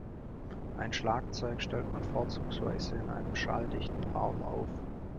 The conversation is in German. Ein Schlagzeug stellt man vorzugsweise in einem schalldichten Raum auf.